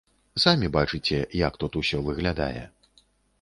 Самі бачыце, як тут усё выглядае.